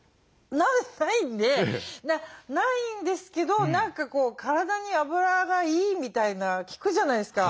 ないんでないんですけど何か体にあぶらがいいみたいな聞くじゃないですか。